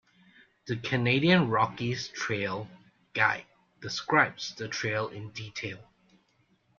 "The Canadian Rockies Trail Guide" describes the trail in detail.